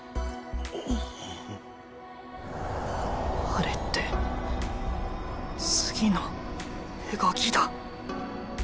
あれって次の動きだ。